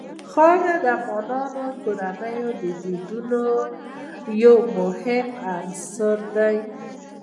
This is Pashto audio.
خاوره د افغان کورنیو د دودونو یو مهم عنصر دی.